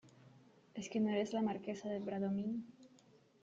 es que no eres la Marquesa de Bradomín.